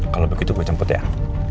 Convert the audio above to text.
kalau begitu gue jemput ya